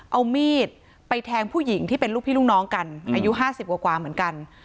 เอามีดไปแทงผู้หญิงที่เป็นลูกพี่ลูกน้องกันอายุ๕๐กว่าเหมือนกัน